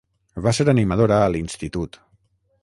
Va ser animadora a l'institut.